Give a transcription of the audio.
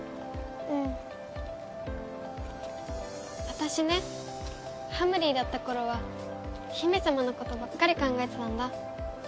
私ねはむりぃだった頃は姫様のことばっかり考えてたんだ。